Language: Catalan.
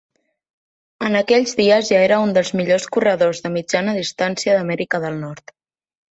En aquells dies ja era un dels millors corredors de mitjana distància d'Amèrica del Nord.